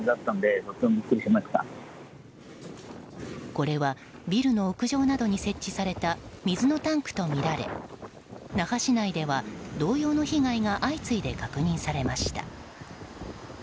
これはビルの屋上などに設置された水のタンクとみられ那覇市内では同様の被害が相次いで確認されました。